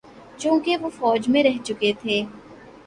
چونکہ وہ فوج میں رہ چکے تھے۔